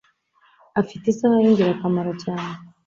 Afite isaha yingirakamaro cyane.